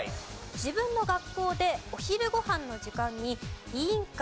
自分の学校でお昼ご飯の時間に委員会